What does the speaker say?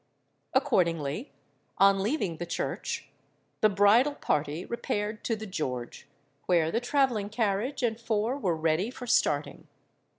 Accordingly, on leaving the church, the bridal party repaired to the George, where the travelling carriage and four were ready for starting.